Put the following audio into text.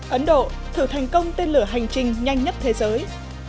ấn độ thử thành công tên lửa hành trình nhanh nhất thế giới